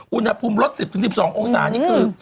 อุณหภูมิลด๑๐๑๒องศานี่คือ